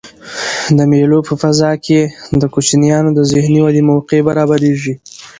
د مېلو په فضا کښي د کوچنيانو د ذهني ودي موقع برابریږي.